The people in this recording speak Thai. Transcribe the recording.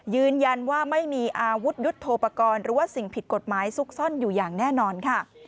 ยืนยันว่าไม่มีอาวุธยุทธโทปกรณ์หรือว่าสิ่งผิดกฎหมายซุกซ่อนอยู่อย่างแน่นอนค่ะ